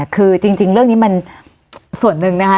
คือจริงเรื่องนี้มันส่วนหนึ่งนะคะ